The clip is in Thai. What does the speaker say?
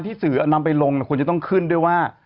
ทีสิ่งที่ถึงนั้นคงจะต้องขึ้นด้วยว่า